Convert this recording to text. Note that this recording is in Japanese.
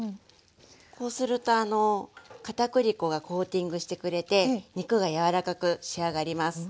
こうすると片栗粉がコーティングしてくれて肉が柔らかく仕上がります。